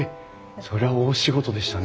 それは大仕事でしたね。